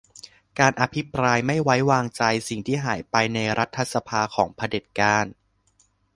การอภิปรายไม่ไว้วางใจ : สิ่งที่หายไปในรัฐสภา ของเผด็จการ